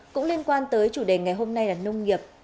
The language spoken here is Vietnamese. cũng liên quan tới chủ đề ngày hôm nay là nông nghiệp